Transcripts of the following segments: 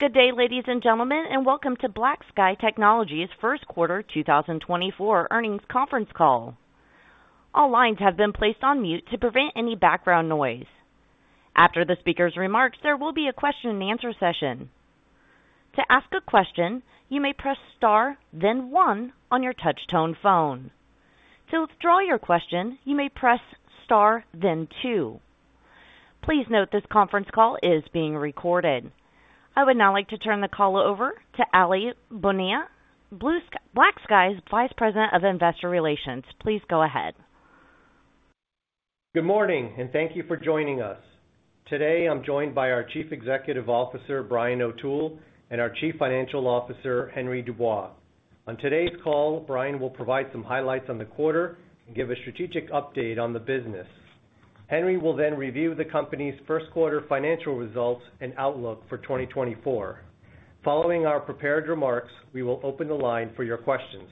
Good day, ladies and gentlemen, and welcome to BlackSky Technology's first quarter 2024 earnings conference call. All lines have been placed on mute to prevent any background noise. After the speaker's remarks, there will be a question-and-answer session. To ask a question, you may press star then one on your touch-tone phone. To withdraw your question, you may press star then two. Please note this conference call is being recorded. I would now like to turn the call over to Aly Bonilla, BlackSky's Vice President of Investor Relations. Please go ahead. Good morning, and thank you for joining us. Today I'm joined by our Chief Executive Officer Brian O'Toole and our Chief Financial Officer Henry Dubois. On today's call, Brian will provide some highlights on the quarter and give a strategic update on the business. Henry will then review the company's first quarter financial results and outlook for 2024. Following our prepared remarks, we will open the line for your questions.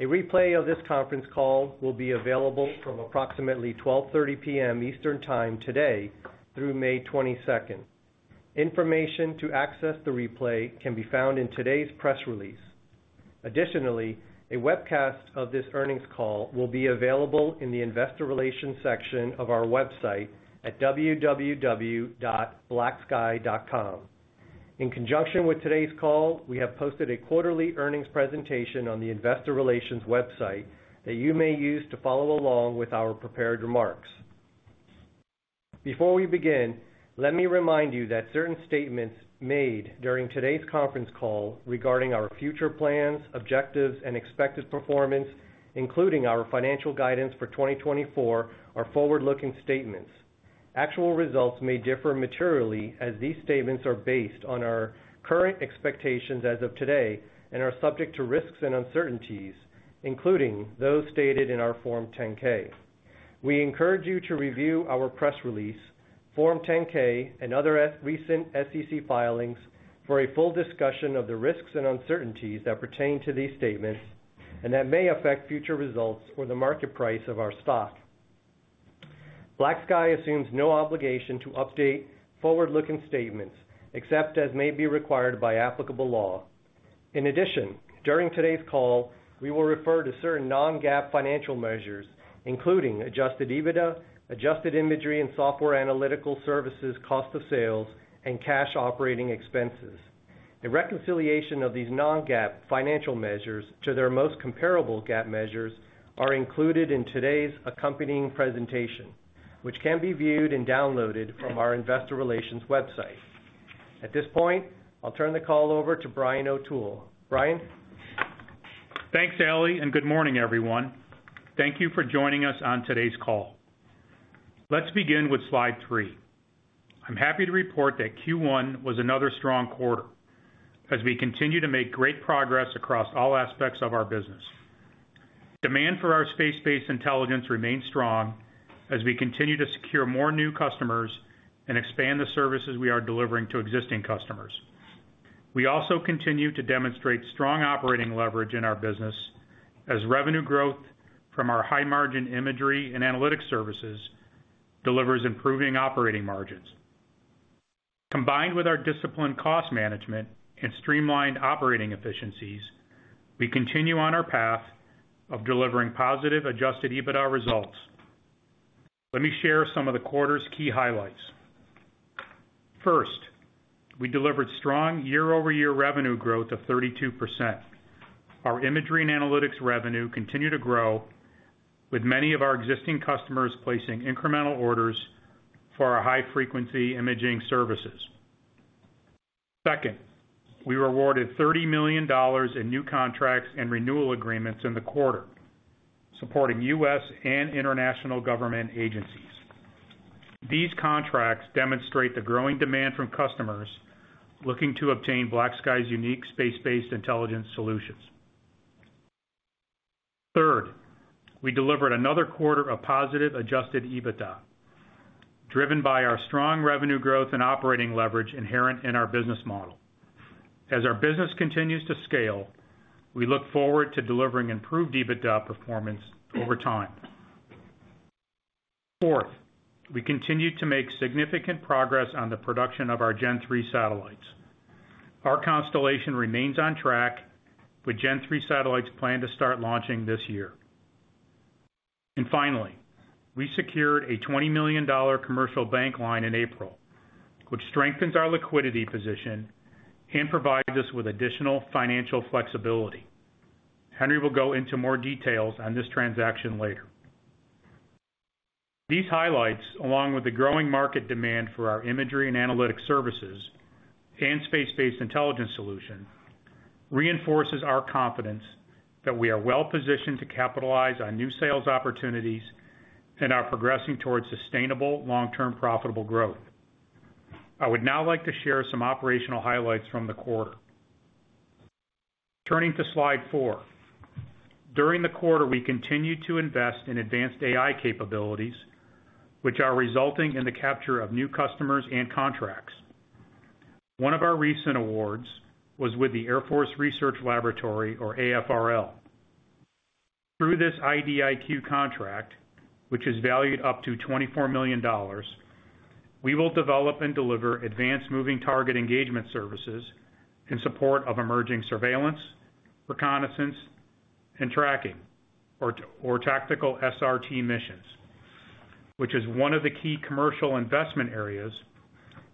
A replay of this conference call will be available from approximately 12:30 P.M. Eastern Time today through May 22nd. Information to access the replay can be found in today's press release. Additionally, a webcast of this earnings call will be available in the Investor Relations section of our website at www.blacksky.com. In conjunction with today's call, we have posted a quarterly earnings presentation on the Investor Relations website that you may use to follow along with our prepared remarks. Before we begin, let me remind you that certain statements made during today's conference call regarding our future plans, objectives, and expected performance, including our financial guidance for 2024, are forward-looking statements. Actual results may differ materially as these statements are based on our current expectations as of today and are subject to risks and uncertainties, including those stated in our Form 10-K. We encourage you to review our press release, Form 10-K, and other recent SEC filings for a full discussion of the risks and uncertainties that pertain to these statements and that may affect future results or the market price of our stock. BlackSky assumes no obligation to update forward-looking statements except as may be required by applicable law. In addition, during today's call, we will refer to certain non-GAAP financial measures, including adjusted EBITDA, adjusted imagery and software analytical services cost of sales, and cash operating expenses. A reconciliation of these non-GAAP financial measures to their most comparable GAAP measures are included in today's accompanying presentation, which can be viewed and downloaded from our Investor Relations website. At this point, I'll turn the call over to Brian O'Toole. Brian? Thanks, Aly, and good morning, everyone. Thank you for joining us on today's call. Let's begin with slide three. I'm happy to report that Q1 was another strong quarter as we continue to make great progress across all aspects of our business. Demand for our space-based intelligence remains strong as we continue to secure more new customers and expand the services we are delivering to existing customers. We also continue to demonstrate strong operating leverage in our business as revenue growth from our high-margin imagery and analytics services delivers improving operating margins. Combined with our disciplined cost management and streamlined operating efficiencies, we continue on our path of delivering positive adjusted EBITDA results. Let me share some of the quarter's key highlights. First, we delivered strong year-over-year revenue growth of 32%. Our imagery and analytics revenue continued to grow, with many of our existing customers placing incremental orders for our high-frequency imaging services. Second, we won $30 million in new contracts and renewal agreements in the quarter, supporting U.S. and international government agencies. These contracts demonstrate the growing demand from customers looking to obtain BlackSky's unique space-based intelligence solutions. Third, we delivered another quarter of positive adjusted EBITDA, driven by our strong revenue growth and operating leverage inherent in our business model. As our business continues to scale, we look forward to delivering improved EBITDA performance over time. Fourth, we continued to make significant progress on the production of our Gen-3 satellites. Our constellation remains on track, with Gen-3 satellites planned to start launching this year. Finally, we secured a $20 million commercial bank line in April, which strengthens our liquidity position and provides us with additional financial flexibility. Henry will go into more details on this transaction later. These highlights, along with the growing market demand for our imagery and analytics services and space-based intelligence solution, reinforce our confidence that we are well-positioned to capitalize on new sales opportunities and are progressing toward sustainable, long-term profitable growth. I would now like to share some operational highlights from the quarter. Turning to slide four. During the quarter, we continued to invest in advanced AI capabilities, which are resulting in the capture of new customers and contracts. One of our recent awards was with the Air Force Research Laboratory, or AFRL. Through this IDIQ contract, which is valued up to $24 million, we will develop and deliver advanced moving target engagement services in support of emerging surveillance, reconnaissance, and tracking, or tactical SRT missions, which is one of the key commercial investment areas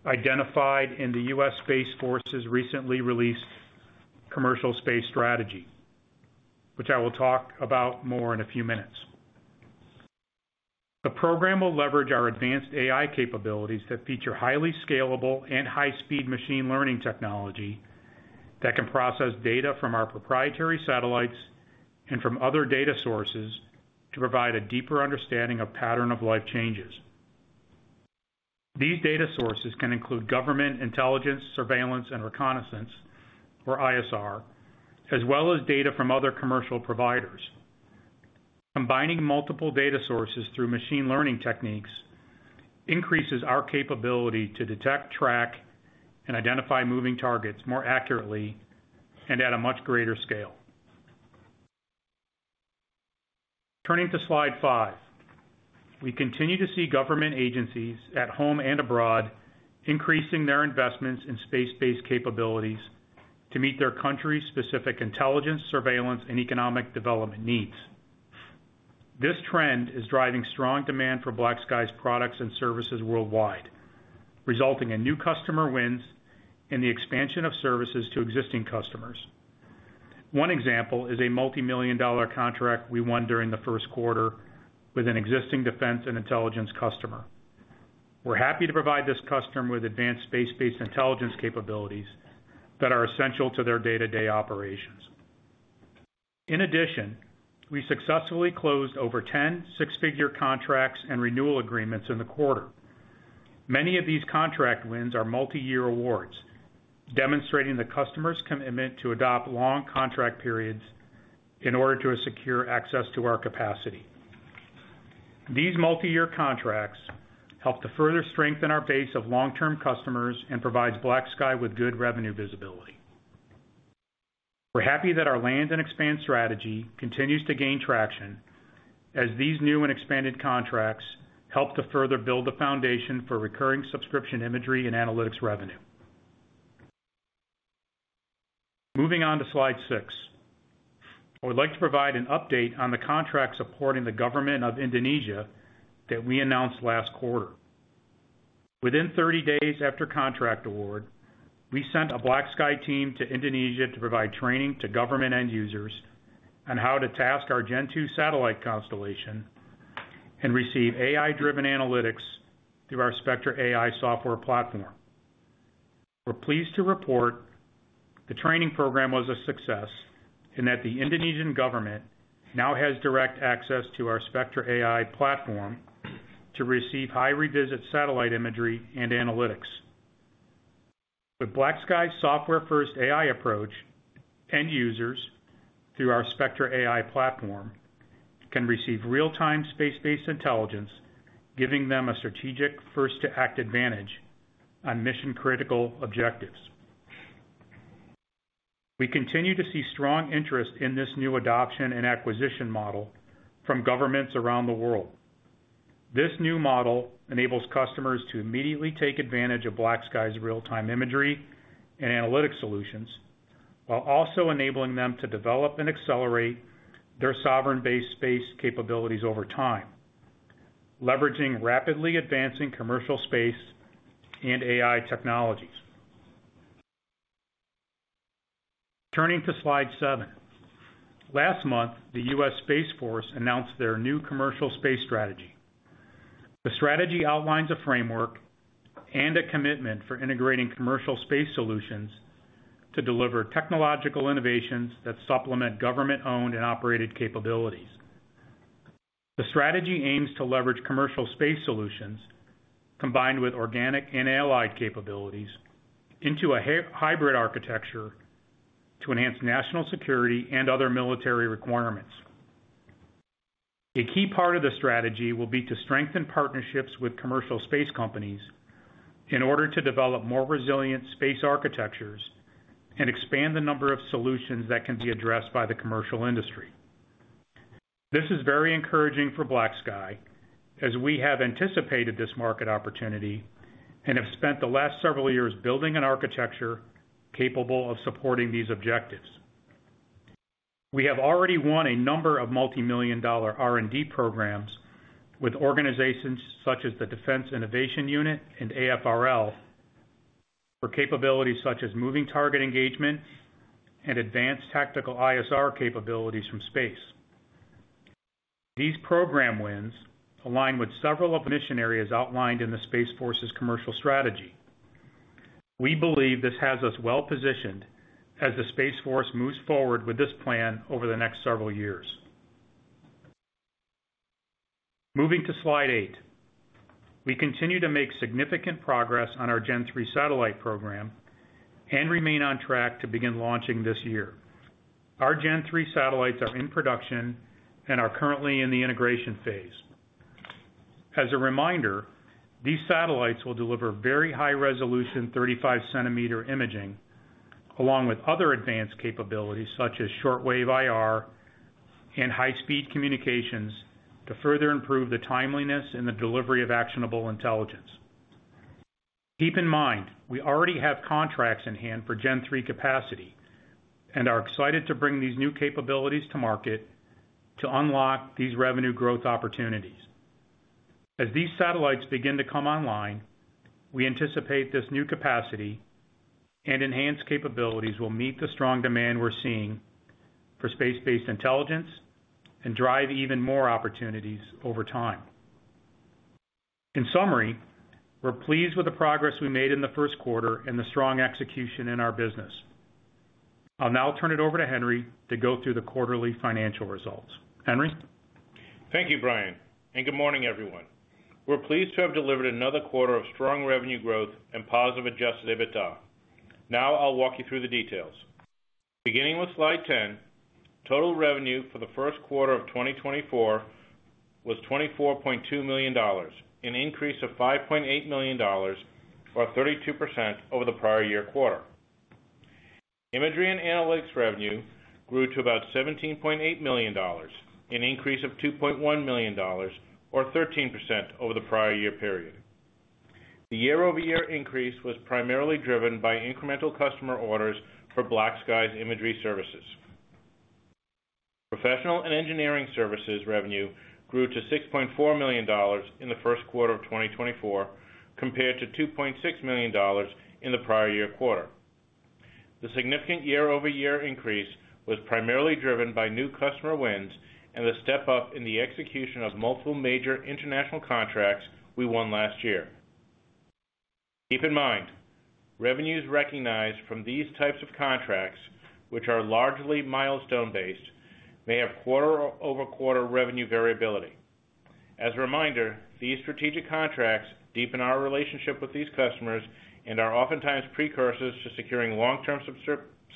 identified in the U.S. Space Force's recently released commercial space strategy, which I will talk about more in a few minutes. The program will leverage our advanced AI capabilities that feature highly scalable and high-speed machine learning technology that can process data from our proprietary satellites and from other data sources to provide a deeper understanding of pattern-of-life changes. These data sources can include government intelligence, surveillance and reconnaissance, or ISR, as well as data from other commercial providers. Combining multiple data sources through machine learning techniques increases our capability to detect, track, and identify moving targets more accurately and at a much greater scale. Turning to slide five. We continue to see government agencies, at home and abroad, increasing their investments in space-based capabilities to meet their country-specific intelligence, surveillance, and economic development needs. This trend is driving strong demand for BlackSky's products and services worldwide, resulting in new customer wins and the expansion of services to existing customers. One example is a multimillion-dollar contract we won during the first quarter with an existing defense and intelligence customer. We're happy to provide this customer with advanced space-based intelligence capabilities that are essential to their day-to-day operations. In addition, we successfully closed over 10 six-figure contracts and renewal agreements in the quarter. Many of these contract wins are multi-year awards, demonstrating the customer's commitment to adopt long contract periods in order to secure access to our capacity. These multi-year contracts help to further strengthen our base of long-term customers and provide BlackSky with good revenue visibility. We're happy that our land and expand strategy continues to gain traction as these new and expanded contracts help to further build the foundation for recurring subscription imagery and analytics revenue. Moving on to slide six. I would like to provide an update on the contract supporting the government of Indonesia that we announced last quarter. Within 30 days after contract award, we sent a BlackSky team to Indonesia to provide training to government end users on how to task our Gen-2 satellite constellation and receive AI-driven analytics through our Spectra AI software platform. We're pleased to report the training program was a success and that the Indonesian government now has direct access to our Spectra AI platform to receive high-revisit satellite imagery and analytics. With BlackSky's software-first AI approach, end users through our Spectra AI platform can receive real-time space-based intelligence, giving them a strategic first-to-act advantage on mission-critical objectives. We continue to see strong interest in this new adoption and acquisition model from governments around the world. This new model enables customers to immediately take advantage of BlackSky's real-time imagery and analytics solutions while also enabling them to develop and accelerate their sovereign-based space capabilities over time, leveraging rapidly advancing commercial space and AI technologies. Turning to slide seven. Last month, the U.S. Space Force announced their new commercial space strategy. The strategy outlines a framework and a commitment for integrating commercial space solutions to deliver technological innovations that supplement government-owned and operated capabilities. The strategy aims to leverage commercial space solutions combined with organic and allied capabilities into a hybrid architecture to enhance national security and other military requirements. A key part of the strategy will be to strengthen partnerships with commercial space companies in order to develop more resilient space architectures and expand the number of solutions that can be addressed by the commercial industry. This is very encouraging for BlackSky as we have anticipated this market opportunity and have spent the last several years building an architecture capable of supporting these objectives. We have already won a number of multimillion-dollar R&D programs with organizations such as the Defense Innovation Unit and AFRL for capabilities such as moving target engagement and advanced tactical ISR capabilities from space. These program wins align with several of the mission areas outlined in the Space Force's commercial strategy. We believe this has us well-positioned as the Space Force moves forward with this plan over the next several years. Moving to slide eight. We continue to make significant progress on our Gen-3 satellite program and remain on track to begin launching this year. Our Gen-3 satellites are in production and are currently in the integration phase. As a reminder, these satellites will deliver very high-resolution 35-centimeter imaging along with other advanced capabilities such as short-wave IR and high-speed communications to further improve the timeliness and the delivery of actionable intelligence. Keep in mind, we already have contracts in hand for Gen-3 capacity and are excited to bring these new capabilities to market to unlock these revenue growth opportunities. As these satellites begin to come online, we anticipate this new capacity and enhanced capabilities will meet the strong demand we're seeing for space-based intelligence and drive even more opportunities over time. In summary, we're pleased with the progress we made in the first quarter and the strong execution in our business. I'll now turn it over to Henry to go through the quarterly financial results. Henry? Thank you, Brian, and good morning, everyone. We're pleased to have delivered another quarter of strong revenue growth and positive adjusted EBITDA. Now I'll walk you through the details. Beginning with slide 10, total revenue for the first quarter of 2024 was $24.2 million, an increase of $5.8 million, or 32% over the prior year quarter. Imagery and analytics revenue grew to about $17.8 million, an increase of $2.1 million, or 13% over the prior year period. The year-over-year increase was primarily driven by incremental customer orders for BlackSky's imagery services. Professional and engineering services revenue grew to $6.4 million in the first quarter of 2024 compared to $2.6 million in the prior year quarter. The significant year-over-year increase was primarily driven by new customer wins and the step-up in the execution of multiple major international contracts we won last year. Keep in mind, revenues recognized from these types of contracts, which are largely milestone-based, may have quarter-over-quarter revenue variability. As a reminder, these strategic contracts deepen our relationship with these customers and are oftentimes precursors to securing long-term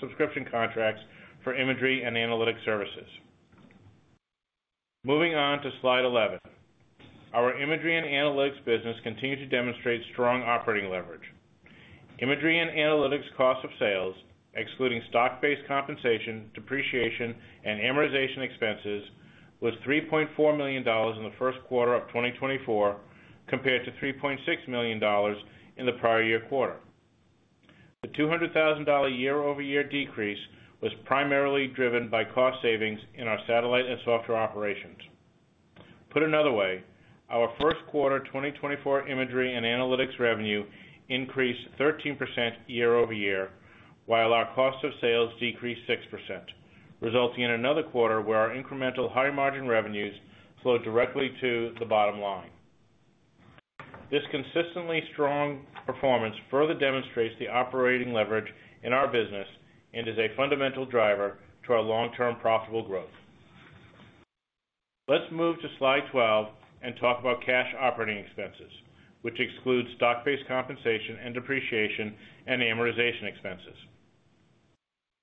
subscription contracts for imagery and analytics services. Moving on to slide 11. Our imagery and analytics business continues to demonstrate strong operating leverage. Imagery and analytics cost of sales, excluding stock-based compensation, depreciation, and amortization expenses, was $3.4 million in the first quarter of 2024 compared to $3.6 million in the prior year quarter. The $200,000 year-over-year decrease was primarily driven by cost savings in our satellite and software operations. Put another way, our first quarter 2024 imagery and analytics revenue increased 13% year-over-year while our cost of sales decreased 6%, resulting in another quarter where our incremental high-margin revenues flowed directly to the bottom line. This consistently strong performance further demonstrates the operating leverage in our business and is a fundamental driver to our long-term profitable growth. Let's move to slide 12 and talk about cash operating expenses, which exclude stock-based compensation and depreciation and amortization expenses.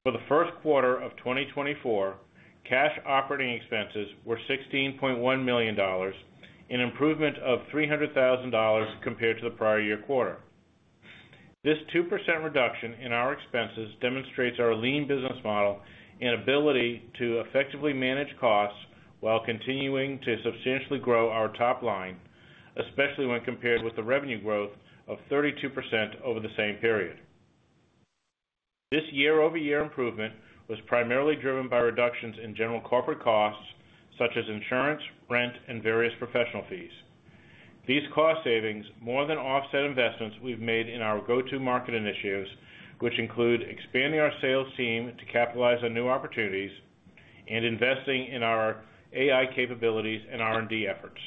For the first quarter of 2024, cash operating expenses were $16.1 million, an improvement of $300,000 compared to the prior year quarter. This 2% reduction in our expenses demonstrates our lean business model and ability to effectively manage costs while continuing to substantially grow our top line, especially when compared with the revenue growth of 32% over the same period. This year-over-year improvement was primarily driven by reductions in general corporate costs such as insurance, rent, and various professional fees. These cost savings more than offset investments we've made in our go-to-market initiatives, which include expanding our sales team to capitalize on new opportunities and investing in our AI capabilities and R&D efforts.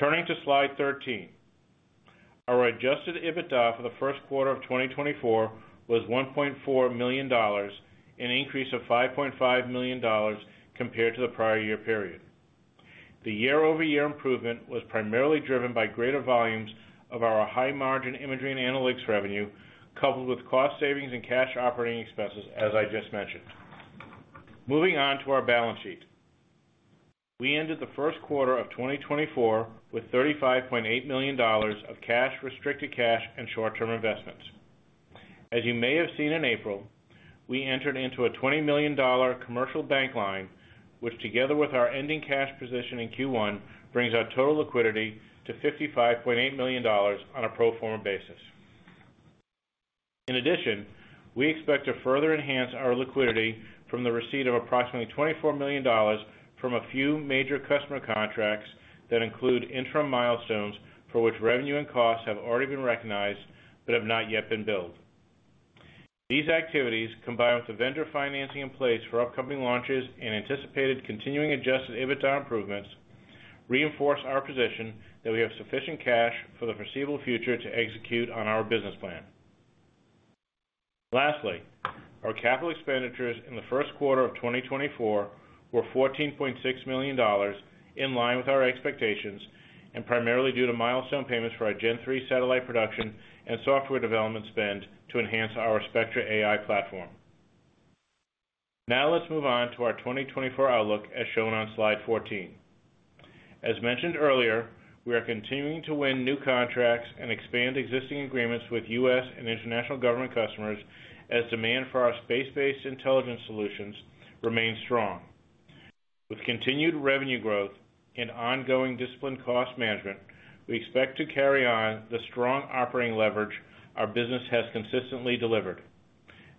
Turning to slide 13. Our adjusted EBITDA for the first quarter of 2024 was $1.4 million, an increase of $5.5 million compared to the prior year period. The year-over-year improvement was primarily driven by greater volumes of our high-margin imagery and analytics revenue coupled with cost savings and cash operating expenses, as I just mentioned. Moving on to our balance sheet. We ended the first quarter of 2024 with $35.8 million of cash, restricted cash, and short-term investments. As you may have seen in April, we entered into a $20 million commercial bank line, which together with our ending cash position in Q1 brings our total liquidity to $55.8 million on a pro forma basis. In addition, we expect to further enhance our liquidity from the receipt of approximately $24 million from a few major customer contracts that include interim milestones for which revenue and costs have already been recognized but have not yet been billed. These activities, combined with the vendor financing in place for upcoming launches and anticipated continuing adjusted EBITDA improvements, reinforce our position that we have sufficient cash for the foreseeable future to execute on our business plan. Lastly, our capital expenditures in the first quarter of 2024 were $14.6 million, in line with our expectations and primarily due to milestone payments for our Gen-3 satellite production and software development spend to enhance our Spectra AI platform. Now let's move on to our 2024 outlook as shown on slide 14. As mentioned earlier, we are continuing to win new contracts and expand existing agreements with U.S. And international government customers as demand for our space-based intelligence solutions remains strong. With continued revenue growth and ongoing disciplined cost management, we expect to carry on the strong operating leverage our business has consistently delivered.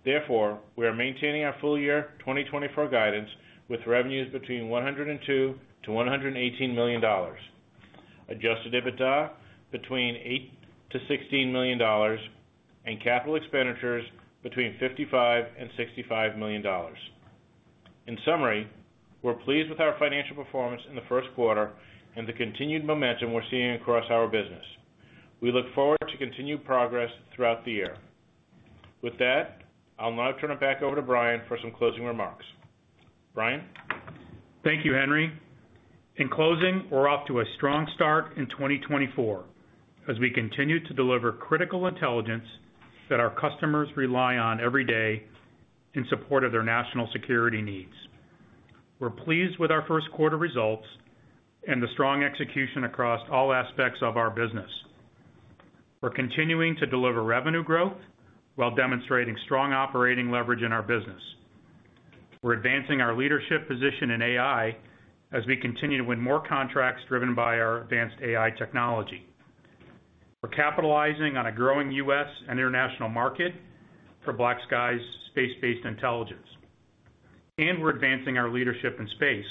Therefore, we are maintaining our full year 2024 guidance with revenues between $102 million-$118 million, adjusted EBITDA between $8 million-$16 million, and capital expenditures between $55 million-$65 million. In summary, we're pleased with our financial performance in the first quarter and the continued momentum we're seeing across our business. We look forward to continued progress throughout the year. With that, I'll now turn it back over to Brian for some closing remarks. Brian? Thank you, Henry. In closing, we're off to a strong start in 2024 as we continue to deliver critical intelligence that our customers rely on every day in support of their national security needs. We're pleased with our first quarter results and the strong execution across all aspects of our business. We're continuing to deliver revenue growth while demonstrating strong operating leverage in our business. We're advancing our leadership position in AI as we continue to win more contracts driven by our advanced AI technology. We're capitalizing on a growing U.S. and international market for BlackSky's space-based intelligence. And we're advancing our leadership in space,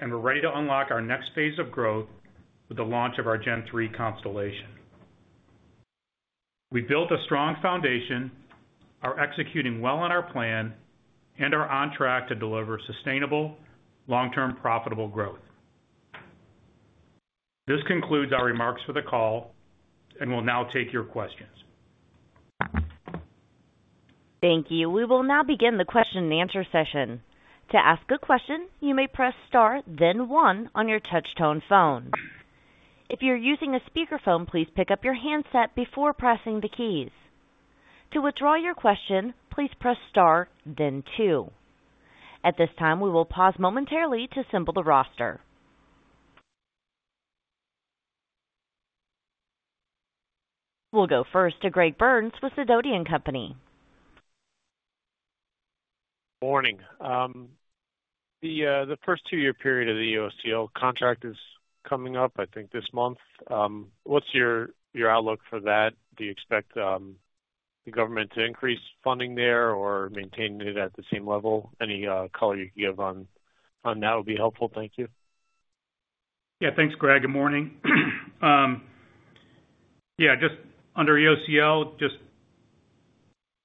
and we're ready to unlock our next phase of growth with the launch of our Gen-3 constellation. We built a strong foundation, are executing well on our plan, and are on track to deliver sustainable, long-term profitable growth. This concludes our remarks for the call, and we'll now take your questions. Thank you. We will now begin the question-and-answer session. To ask a question, you may press star, then one on your touch-tone phone. If you're using a speakerphone, please pick up your handset before pressing the keys. To withdraw your question, please press Star, then Two. At this time, we will pause momentarily to assemble the roster. We'll go first to Greg Burns with Sidoti & Company. Morning. The first two-year period of the EOCL contract is coming up, I think, this month. What's your outlook for that? Do you expect the government to increase funding there or maintain it at the same level? Any color you can give on that would be helpful. Thank you. Yeah, thanks, Greg. Good morning. Yeah, just under EOCL, just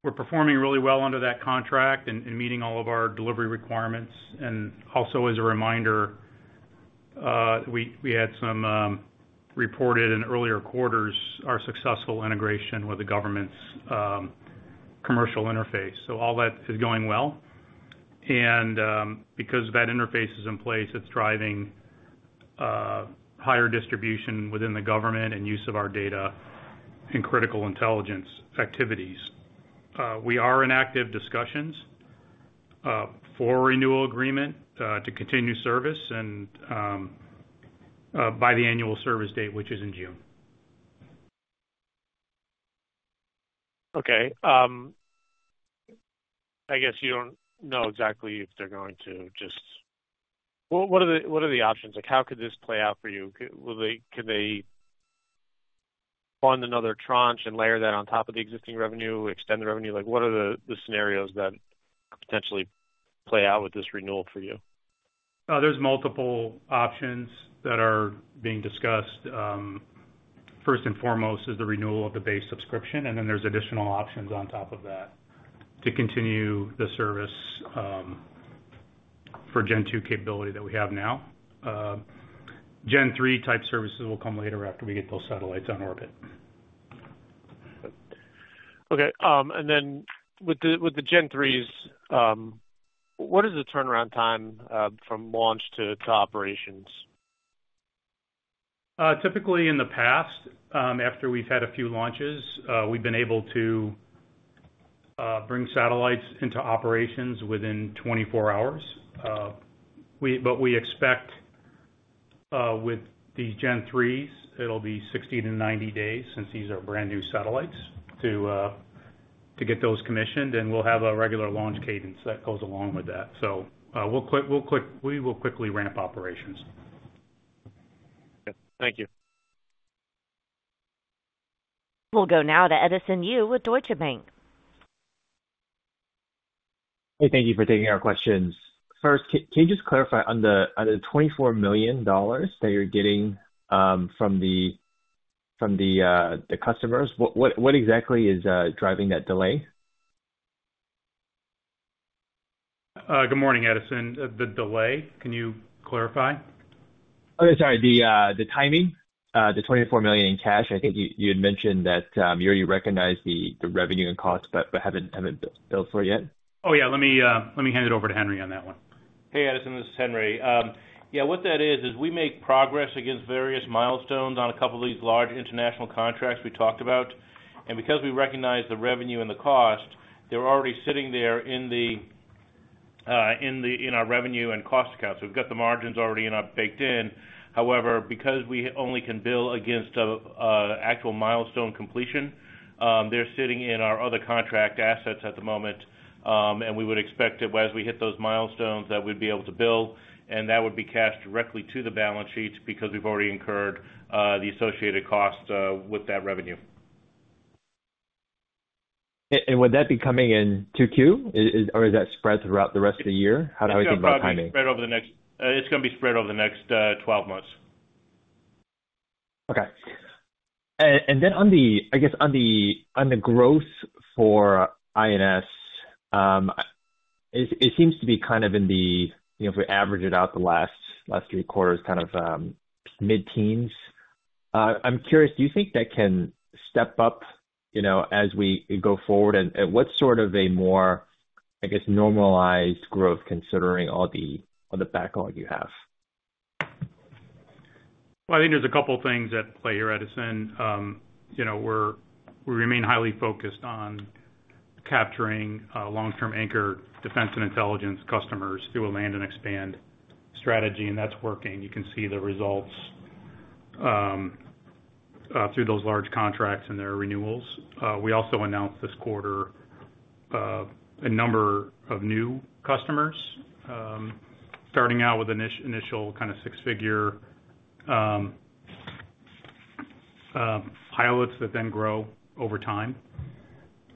we're performing really well under that contract and, and meeting all of our delivery requirements. And also as a reminder, we, we had some, reported in earlier quarters our successful integration with the government's, commercial interface. So all that is going well. And, because that interface is in place, it's driving, higher distribution within the government and use of our data in critical intelligence activities. We are in active discussions, for renewal agreement, to continue service and, by the annual service date, which is in June. Okay. I guess you don't know exactly if they're going to just what, what are the options? Like, how could this play out for you? See, will they, can they fund another tranche and layer that on top of the existing revenue, extend the revenue? Like, what are the scenarios that could potentially play out with this renewal for you? There's multiple options that are being discussed. First and foremost is the renewal of the base subscription, and then there's additional options on top of that to continue the service, for Gen-2 capability that we have now. Gen-3 type services will come later after we get those satellites on orbit. Okay. Then with the Gen-3s, what is the turnaround time from launch to operations? Typically in the past, after we've had a few launches, we've been able to bring satellites into operations within 24 hours. But we expect, with the Gen-3s, it'll be 60-90 days since these are brand new satellites to get those commissioned. And we'll have a regular launch cadence that goes along with that. So, we will quickly ramp operations. Okay. Thank you. We'll go now to Edison Yu with Deutsche Bank. Hey, thank you for taking our questions. First, can you just clarify on the $24 million that you're getting from the customers? What exactly is driving that delay? Good morning, Edison. The delay, can you clarify? Oh, yeah, sorry. The timing, the $24 million in cash. I think you had mentioned that, you already recognized the revenue and cost, but haven't billed for it yet. Oh, yeah. Let me, let me hand it over to Henry on that one. Hey, Edison. This is Henry. Yeah, what that is, is we make progress against various milestones on a couple of these large international contracts we talked about. And because we recognize the revenue and the cost, they're already sitting there in our revenue and cost accounts. We've got the margins already baked in. However, because we only can bill against an actual milestone completion, they're sitting in our other contract assets at the moment. We would expect that as we hit those milestones, that we'd be able to bill, and that would be cashed directly to the balance sheets because we've already incurred the associated cost with that revenue. Would that be coming in 2Q? Is, or is that spread throughout the rest of the year? How do I think about timing? Yeah, it's gonna be spread over the next 12 months. Okay. And then on the, I guess, on the growth for ISR, it seems to be kind of in the, you know, if we average it out, the last three quarters, kind of, mid-teens. I'm curious, do you think that can step up, you know, as we go forward? And what's sort of a more, I guess, normalized growth considering all the backlog you have? Well, I think there's a couple of things at play here, Edison. You know, we're, we remain highly focused on capturing long-term anchor defense and intelligence customers through a land and expand strategy, and that's working. You can see the results through those large contracts and their renewals. We also announced this quarter a number of new customers, starting out with initial kind of six-figure pilots that then grow over time.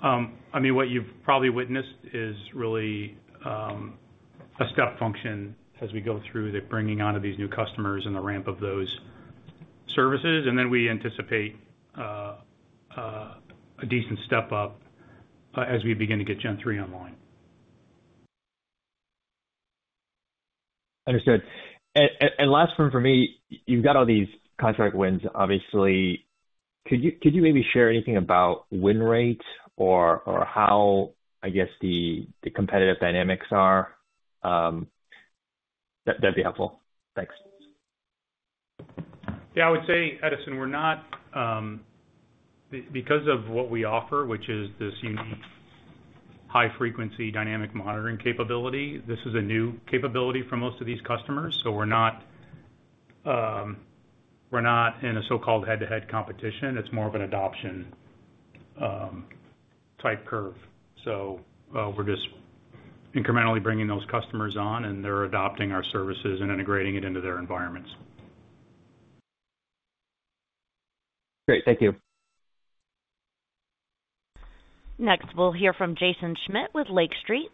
I mean, what you've probably witnessed is really a step function as we go through the bringing on of these new customers and the ramp of those services. And then we anticipate a decent step up as we begin to get Gen-3 online. Understood. And last one for me. You've got all these contract wins, obviously. Could you maybe share anything about win rate or how, I guess, the competitive dynamics are? That'd be helpful. Thanks. Yeah, I would say, Edison, we're not, because of what we offer, which is this unique high-frequency dynamic monitoring capability, this is a new capability for most of these customers. So we're not, we're not in a so-called head-to-head competition. It's more of an adoption type curve. So, we're just incrementally bringing those customers on, and they're adopting our services and integrating it into their environments. Great. Thank you. Next, we'll hear from Jaeson Schmidt with Lake Street.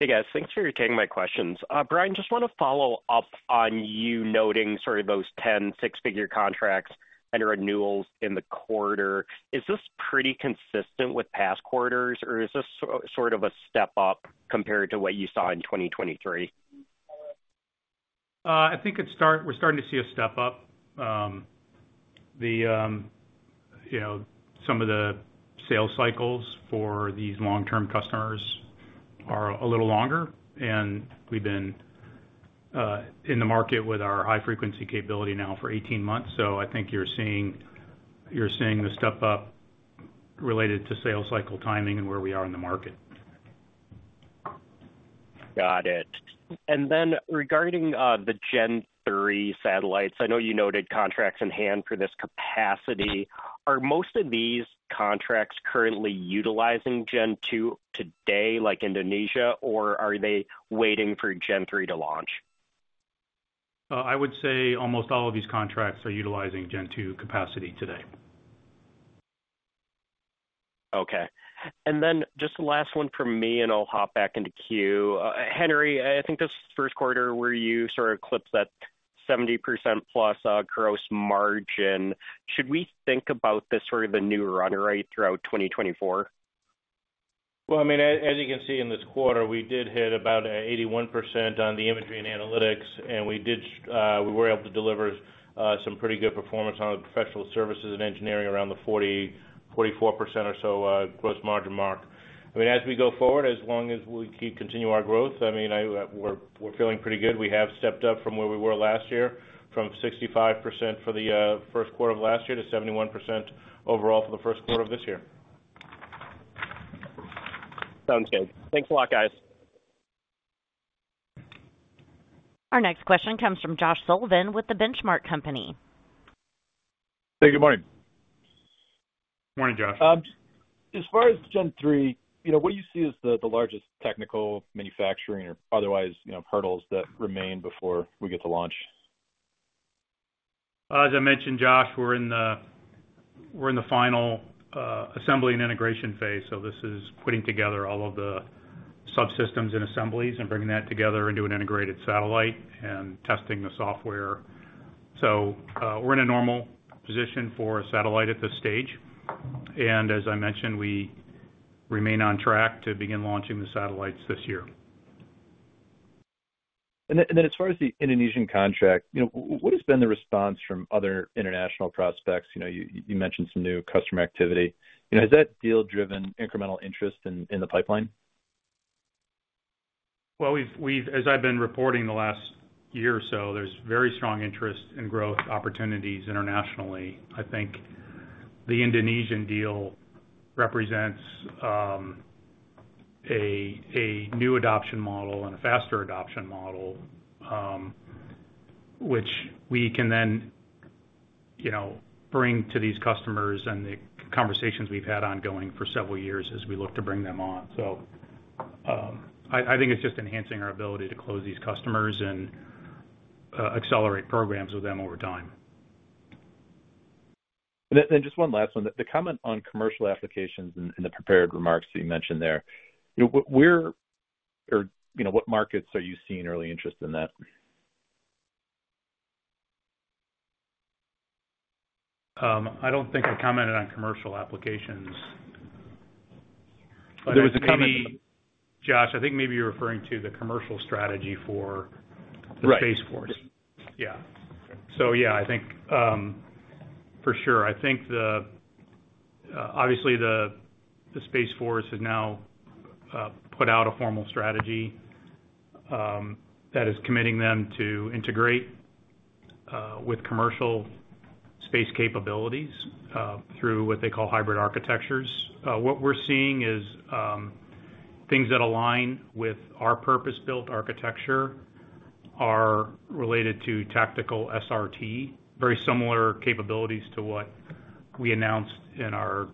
Hey, guys. Thanks for taking my questions. Brian, just wanna follow up on you noting sort of those 10 six-figure contracts and renewals in the quarter. Is this pretty consistent with past quarters, or is this sort of a step up compared to what you saw in 2023? I think we're starting to see a step up, you know, some of the sales cycles for these long-term customers are a little longer. And we've been in the market with our high-frequency capability now for 18 months. So I think you're seeing the step up related to sales cycle timing and where we are in the market. Got it. And then regarding the Gen-3 satellites, I know you noted contracts in hand for this capacity. Are most of these contracts currently utilizing Gen-2 today, like Indonesia, or are they waiting for Gen-3 to launch? I would say almost all of these contracts are utilizing Gen-2 capacity today. Okay. And then just the last one from me, and I'll hop back into Q. Henry, I think this first quarter where you sort of clipped that 70%+ gross margin, should we think about this sort of the new run rate throughout 2024? Well, I mean, as you can see in this quarter, we did hit about 81% on the imagery and analytics, and we did, we were able to deliver some pretty good performance on the professional services and engineering around the 40%-44% or so gross margin mark. I mean, as we go forward, as long as we keep continue our growth, I mean, we're feeling pretty good. We have stepped up from where we were last year, from 65% for the first quarter of last year to 71% overall for the first quarter of this year. Sounds good. Thanks a lot, guys. Our next question comes from Josh Sullivan with The Benchmark Company. Hey, good morning. Morning, Josh. As far as Gen-3, you know, what do you see as the largest technical manufacturing or otherwise, you know, hurdles that remain before we get to launch? As I mentioned, Josh, we're in the final assembly and integration phase. So this is putting together all of the subsystems and assemblies and bringing that together into an integrated satellite and testing the software. So, we're in a normal position for a satellite at this stage. And as I mentioned, we remain on track to begin launching the satellites this year. Then as far as the Indonesian contract, you know, what has been the response from other international prospects? You know, you mentioned some new customer activity. You know, has that deal-driven incremental interest in the pipeline? Well, we've as I've been reporting the last year or so, there's very strong interest in growth opportunities internationally. I think the Indonesian deal represents a new adoption model and a faster adoption model, which we can then, you know, bring to these customers and the conversations we've had ongoing for several years as we look to bring them on. So, I think it's just enhancing our ability to close these customers and accelerate programs with them over time. And then just one last one. The comment on commercial applications and the prepared remarks that you mentioned there, you know, where or, you know, what markets are you seeing early interest in that? I don't think I commented on commercial applications. There was a comment. Maybe, Josh, I think maybe you're referring to the commercial strategy for the Space Force. Right. Yeah. So yeah, I think, for sure, obviously, the Space Force has now put out a formal strategy that is committing them to integrate with commercial space capabilities through what they call hybrid architectures. What we're seeing is things that align with our purpose-built architecture are related to tactical SRT, very similar capabilities to what we announced in our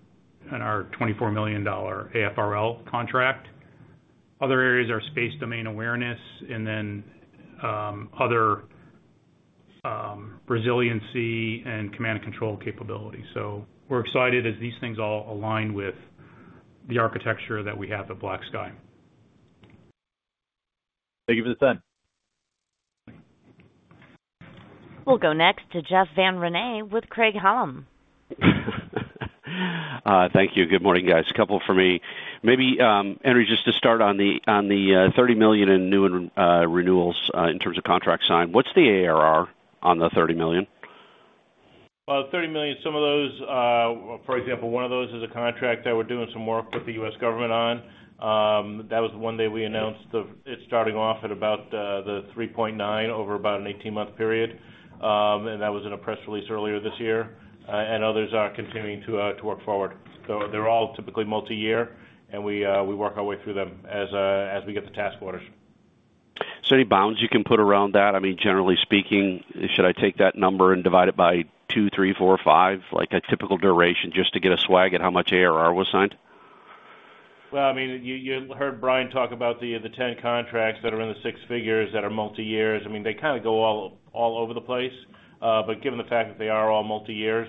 $24 million AFRL contract. Other areas are space domain awareness and then resiliency and command and control capability. So we're excited as these things all align with the architecture that we have at BlackSky. Thank you for the time. We'll go next to Jeff Van Rhee with Craig-Hallum. Thank you. Good morning, guys. Couple for me. Maybe, Henry, just to start on the $30 million and new and renewals, in terms of contract sign, what's the ARR on the $30 million? Well, the $30 million, some of those, for example, one of those is a contract that we're doing some work with the U.S. government on. That was the one that we announced the it's starting off at about the $3.9 million over about an 18-month period. That was in a press release earlier this year. Others are continuing to work forward. So they're all typically multi-year, and we work our way through them as we get the task orders. Any bounds you can put around that? I mean, generally speaking, should I take that number and divide it by 2, 3, 4, 5, like a typical duration, just to get a swag at how much ARR was signed? Well, I mean, you heard Brian talk about the 10 contracts that are in the six figures that are multi-years. I mean, they kinda go all over the place. But given the fact that they are all multi-years,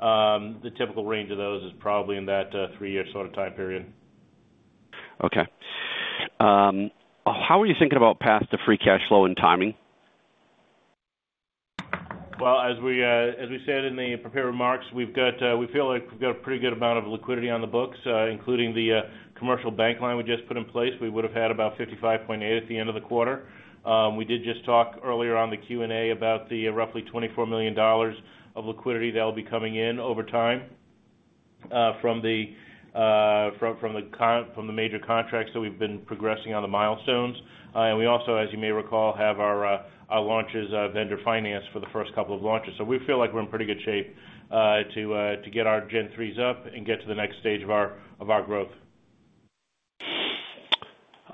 the typical range of those is probably in that three-year sort of time period. Okay. How are you thinking about path to free cash flow and timing? Well, as we said in the prepared remarks, we've got, we feel like we've got a pretty good amount of liquidity on the books, including the commercial bank line we just put in place. We would have had about $55.8 million at the end of the quarter. We did just talk earlier on the Q&A about the roughly $24 million of liquidity that'll be coming in over time from the major contracts. So we've been progressing on the milestones. And we also, as you may recall, have our launches vendor financed for the first couple of launches. So we feel like we're in pretty good shape to get our Gen-3s up and get to the next stage of our growth.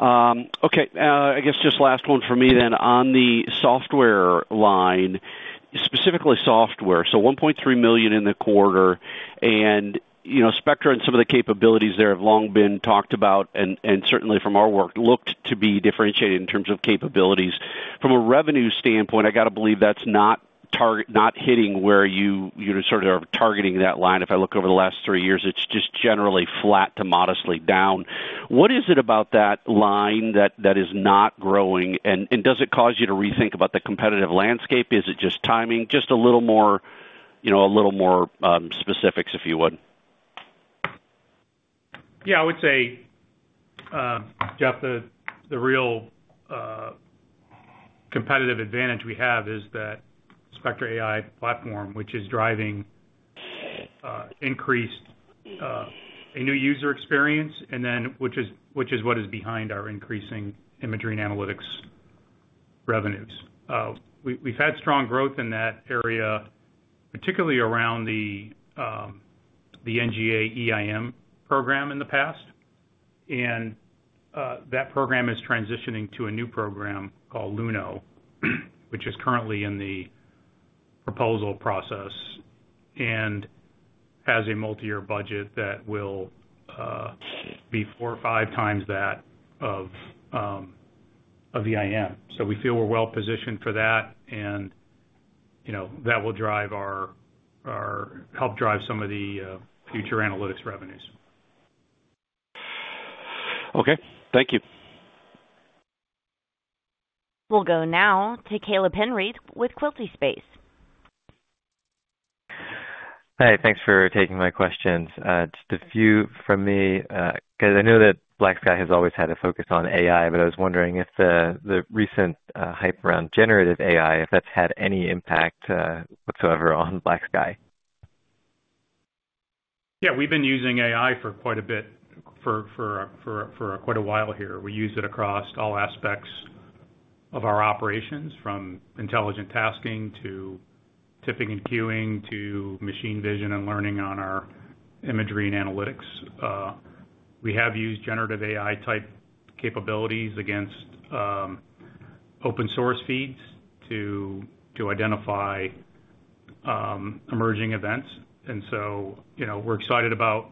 Okay. I guess just last one for me then. On the software line, specifically software, so $1.3 million in the quarter. And, you know, Spectra and some of the capabilities there have long been talked about and, and certainly from our work looked to be differentiated in terms of capabilities. From a revenue standpoint, I gotta believe that's not target not hitting where you, you know, sort of are targeting that line. If I look over the last three years, it's just generally flat to modestly down. What is it about that line that, that is not growing? And, and does it cause you to rethink about the competitive landscape? Is it just timing? Just a little more, you know, a little more, specifics if you would. Yeah, I would say, Jeff, the real competitive advantage we have is that Spectra AI platform, which is driving increased a new user experience, and then which is what is behind our increasing imagery and analytics revenues. We've had strong growth in that area, particularly around the NGA EIM program in the past. That program is transitioning to a new program called LUNO, which is currently in the proposal process and has a multi-year budget that will be four or five times that of EIM. So we feel we're well positioned for that. You know, that will drive our help drive some of the future analytics revenues. Okay. Thank you. We'll go now to Caleb Henry with Quilty Space. Hey, thanks for taking my questions. Just a few from me, 'cause I know that BlackSky has always had a focus on AI, but I was wondering if the recent hype around generative AI, if that's had any impact whatsoever on BlackSky? Yeah, we've been using AI for quite a bit for quite a while here. We use it across all aspects of our operations, from intelligent tasking to tipping and queuing to machine vision and learning on our imagery and analytics. We have used generative AI-type capabilities against open-source feeds to identify emerging events. And so, you know, we're excited about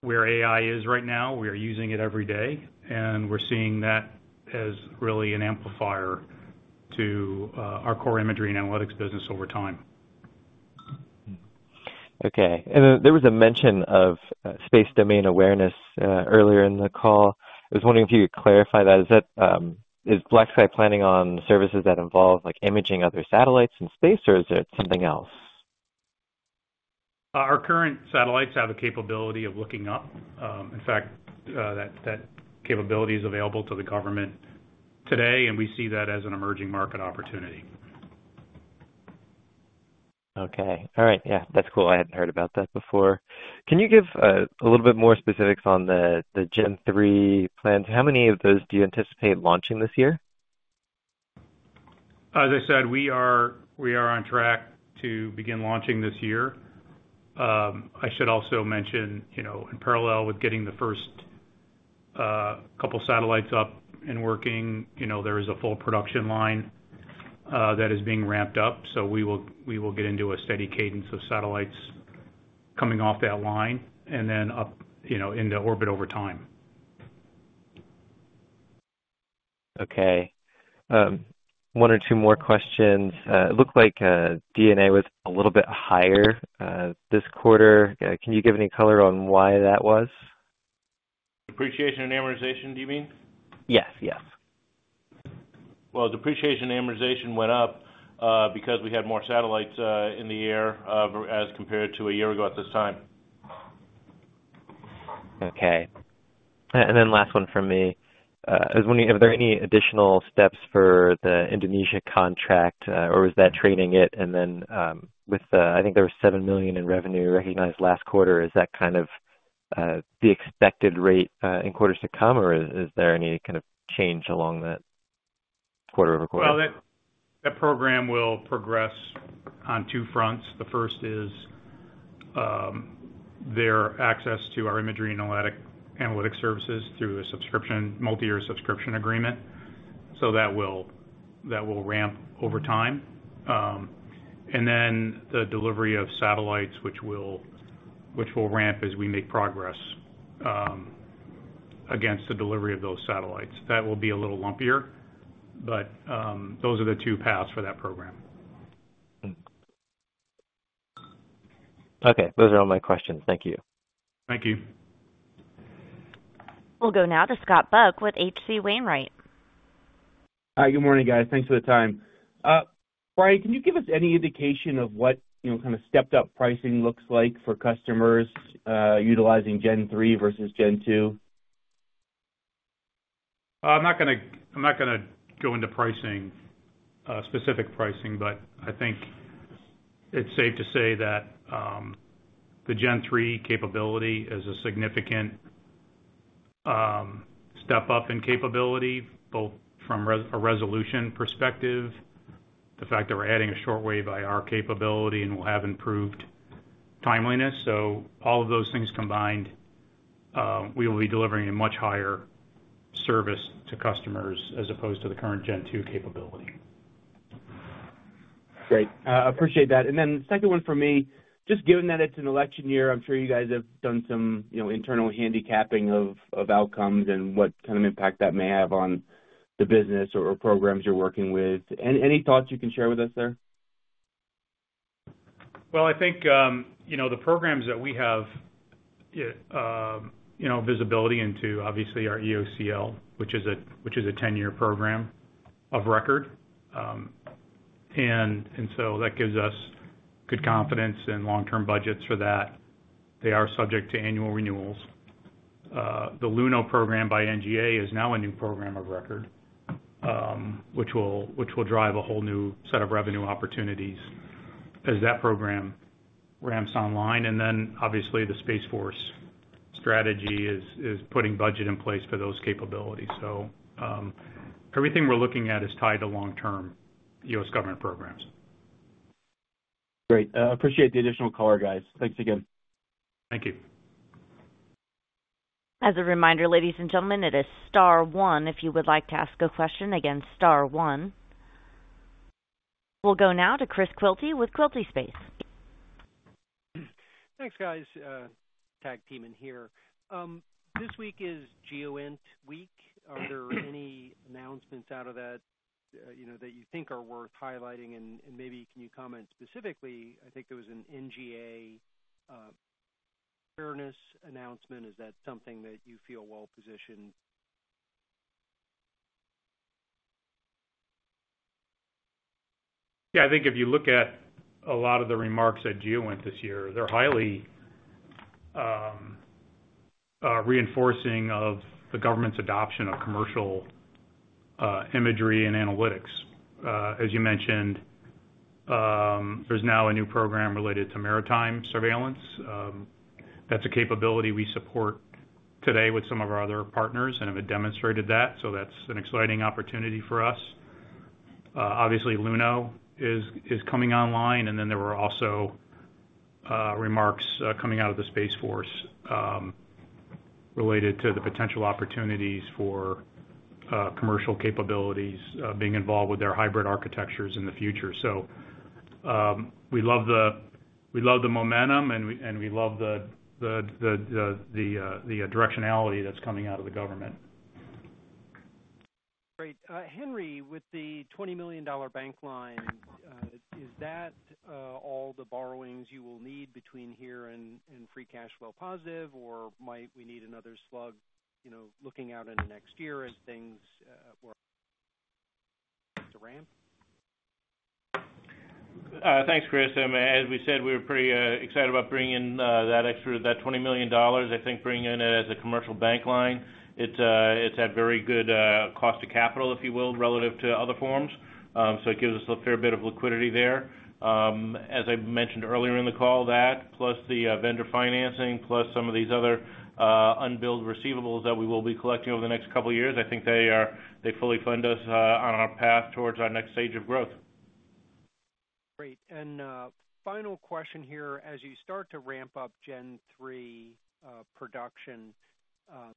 where AI is right now. We are using it every day, and we're seeing that as really an amplifier to our core imagery and analytics business over time. Okay. And then there was a mention of Space Domain Awareness earlier in the call. I was wondering if you could clarify that. Is that, is BlackSky planning on services that involve, like, imaging other satellites in space, or is it something else? Our current satellites have a capability of looking up. In fact, that capability is available to the government today, and we see that as an emerging market opportunity. Okay. All right. Yeah, that's cool. I hadn't heard about that before. Can you give, a little bit more specifics on the, the Gen-3 plans? How many of those do you anticipate launching this year? As I said, we are on track to begin launching this year. I should also mention, you know, in parallel with getting the first couple satellites up and working, you know, there is a full production line that is being ramped up. So we will get into a steady cadence of satellites coming off that line and then up, you know, into orbit over time. Okay. One or two more questions. It looked like DNA was a little bit higher this quarter. Can you give any color on why that was? Depreciation and amortization, do you mean? Yes, yes. Well, depreciation and amortization went up, because we had more satellites in the air as compared to a year ago at this time. Okay. And then last one from me, is there any additional steps for the Indonesia contract, or was that the end of it? And then, with, I think, there was $7 million in revenue recognized last quarter. Is that kind of the expected rate in quarters to come, or is there any kind of change along that quarter-over-quarter? Well, that program will progress on two fronts. The first is their access to our imagery and analytic services through a multi-year subscription agreement. So that will ramp over time. And then the delivery of satellites, which will ramp as we make progress against the delivery of those satellites. That will be a little lumpier, but those are the two paths for that program. Okay. Those are all my questions. Thank you. Thank you. We'll go now to Scott Buck with H.C. Wainwright. Hi, good morning, guys. Thanks for the time. Brian, can you give us any indication of what, you know, kinda stepped-up pricing looks like for customers, utilizing Gen-3 versus Gen-2? I'm not gonna go into pricing, specific pricing, but I think it's safe to say that the Gen-3 capability is a significant step-up in capability, both from a resolution perspective, the fact that we're adding a shortwave IR capability, and we'll have improved timeliness. So all of those things combined, we will be delivering a much higher service to customers as opposed to the current Gen-2 capability. Great. Appreciate that. Then second one from me, just given that it's an election year, I'm sure you guys have done some, you know, internal handicapping of outcomes and what kind of impact that may have on the business or programs you're working with. Any thoughts you can share with us there? Well, I think, you know, the programs that we have, you know, visibility into, obviously, our EOCL, which is a 10-year program of record. So that gives us good confidence and long-term budgets for that. They are subject to annual renewals. The LUNO program by NGA is now a new program of record, which will drive a whole new set of revenue opportunities as that program ramps online. And then, obviously, the Space Force strategy is putting budget in place for those capabilities. So, everything we're looking at is tied to long-term U.S. government programs. Great. Appreciate the additional color, guys. Thanks again. Thank you. As a reminder, ladies and gentlemen, it is star one if you would like to ask a question. Again, star one. We'll go now to Chris Quilty with Quilty Space. Thanks, guys. Tag teaming here. This week is GEOINT week. Are there any announcements out of that, you know, that you think are worth highlighting? And maybe can you comment specifically? I think there was an NGA Pharos announcement. Is that something that you feel well positioned? Yeah, I think if you look at a lot of the remarks at GEOINT this year, they're highly reinforcing of the government's adoption of commercial imagery and analytics. As you mentioned, there's now a new program related to maritime surveillance. That's a capability we support today with some of our other partners and have demonstrated that. So that's an exciting opportunity for us. Obviously, LUNO is coming online. And then there were also remarks coming out of the Space Force related to the potential opportunities for commercial capabilities being involved with their hybrid architectures in the future. So we love the momentum, and we love the directionality that's coming out of the government. Great. Henry, with the $20 million bank line, is that all the borrowings you will need between here and free cash flow positive, or might we need another slug, you know, looking out into next year as things were to ramp? Thanks, Chris. As we said, we were pretty excited about bringing that extra $20 million. I think bringing in it as a commercial bank line, it's had very good cost of capital, if you will, relative to other forms. So it gives us a fair bit of liquidity there. As I mentioned earlier in the call, that plus the vendor financing plus some of these other unbilled receivables that we will be collecting over the next couple of years, I think they fully fund us on our path towards our next stage of growth. Great. Final question here. As you start to ramp up Gen-3 production, I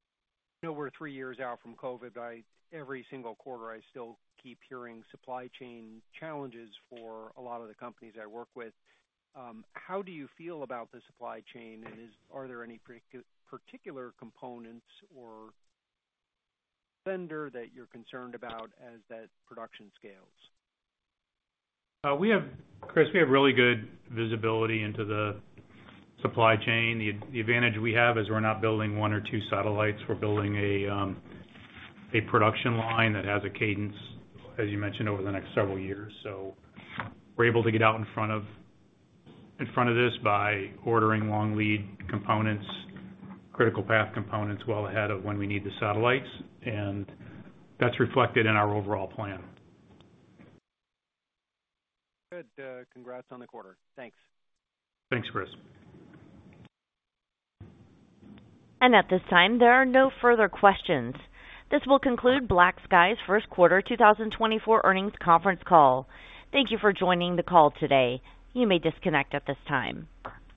know we're three years out from COVID, but every single quarter, I still keep hearing supply chain challenges for a lot of the companies I work with. How do you feel about the supply chain, and are there any particular components or vendor that you're concerned about as that production scales? We have Chris, we have really good visibility into the supply chain. The advantage we have is we're not building one or two satellites. We're building a production line that has a cadence, as you mentioned, over the next several years. So we're able to get out in front of this by ordering long lead components, critical path components well ahead of when we need the satellites. And that's reflected in our overall plan. Good. Congrats on the quarter. Thanks. Thanks, Chris. At this time, there are no further questions. This will conclude BlackSky's first quarter 2024 earnings conference call. Thank you for joining the call today. You may disconnect at this time.